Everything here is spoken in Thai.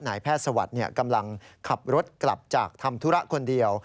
นายแพทย์สวัสดิ์กำลังขับรถกลับจากทำธุระคนเดียว